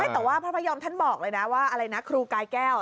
แต่ว่าพระพยอมท่านบอกเลยนะว่าอะไรนะครูกายแก้ว